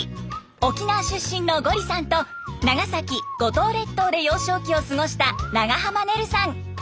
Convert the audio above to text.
沖縄出身のゴリさんと長崎・五島列島で幼少期を過ごした長濱ねるさん。